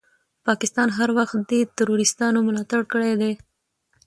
پاکستان هر وخت دي تروريستانو ملاتړ کړی ده.